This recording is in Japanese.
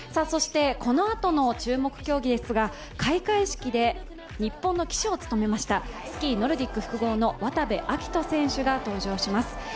このあとの注目競技ですが、開会式で日本の旗手を務めましたスキーノルディック複合の渡部暁斗選手が出場します。